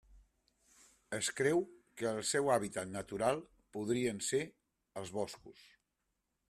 Es creu que el seu hàbitat natural podrien ser els boscos.